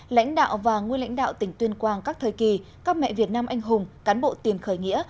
lãnh đạo và nguyên lãnh đạo tỉnh tuyên quang các thời kỳ các mẹ việt nam anh hùng cán bộ tiền khởi nghĩa